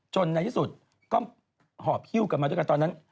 ในที่สุดก็หอบฮิ้วกลับมาด้วยกันตอนนั้น